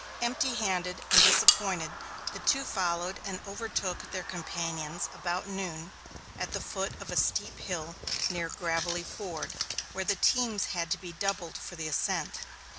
Empty handed and disappointed, the two followed and overtook their companions about noon, at the foot of a steep hill near "Gravelly Ford," where the teams had to be doubled for the ascent.